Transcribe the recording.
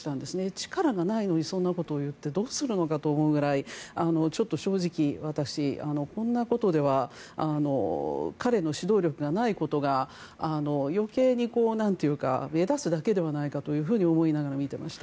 力がないのにそんなことを言ってどうするのかと思うぐらいちょっと正直、私はこんなことでは彼の指導力がないことが余計に目立つだけではないかというふうに見ていました。